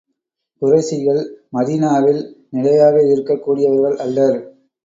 குறைஷிகள் மதீனாவில் நிலையாக இருக்கக் கூடியவர்கள் அல்லர்.